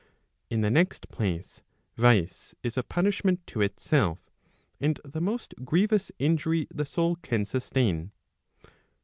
In the next place, vice is a punishment to itself, and the most grievous injury the soul can sustain.